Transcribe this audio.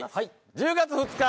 １０月２日